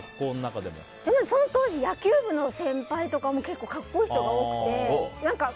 その当時野球部の先輩とかでも結構、格好いい人が多くて。